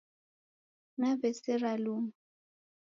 Naw'esera luma